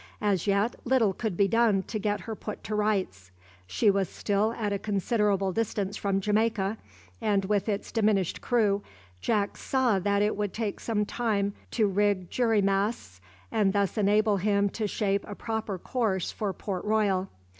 As yet little could be done to get her put to rights. She was still at a considerable distance from Jamaica, and with his diminished crew, Jack saw that it would take some time to rig jury masts, and thus enable him to shape a proper course for Port Royal.